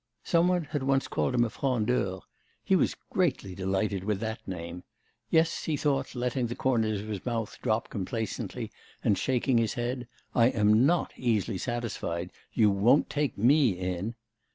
Some one had once called him a frondeur; he was greatly delighted with that name. 'Yes,' he thought, letting the corners of his mouth drop complacently and shaking his head, 'I am not easily satisfied; you won't take me in.